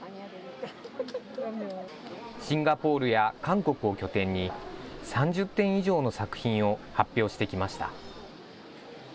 シンガポールや韓国を拠点に、３０点以上の作品を発表してきました。